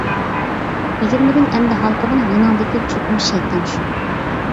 يىگىرمىدىن ئەمدى ھالقىدىڭ، يېنىڭدىكى چوقۇم شەيتان شۇ.